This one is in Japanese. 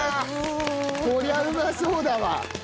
こりゃうまそうだわ。